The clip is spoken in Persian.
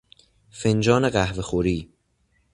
فنجان قهوه خوری